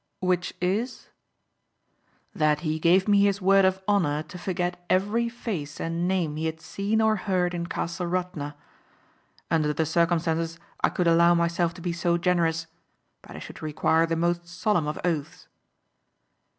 "Which is?" "That he gave me his word of honor to forget every face and name he had seen or heard in Castle Radna. Under the circumstances I could allow myself to be so generous but I should require the most solemn of oaths."